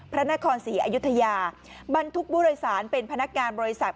พระนครศรีอยุธยาบรรทุกบริษัทเป็นพนักงานบริษัท